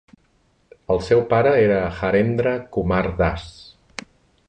El seu pare era Harendra Kumar Das.